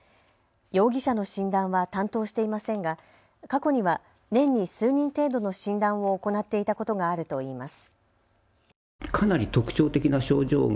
容疑者の診断は担当していませんが過去には年に数人程度の診断を行っていたことがあるといいます。